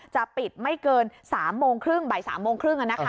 จะปิดไม่เกิน๓โมงครึ่งบ่าย๓โมงครึ่ง